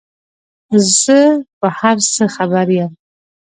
زه په هر څه خبر یم ،